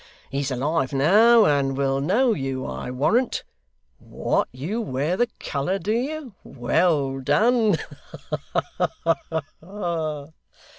He's alive now, and will know you, I warrant. What, you wear the colour, do you? Well done! Ha ha ha!